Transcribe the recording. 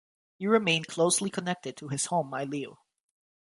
He remained closely connected to his home milieu.